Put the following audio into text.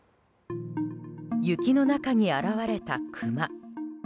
雪の中に現れたクマ。